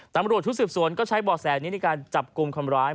ตำรวจชุดสืบสวนก็ใช้บ่อแสนี้ในการจับกลุ่มคนร้าย